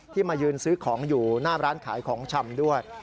มายืนซื้อของอยู่หน้าร้านขายของชำด้วย